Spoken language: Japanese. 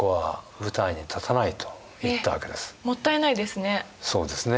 もったいないですね。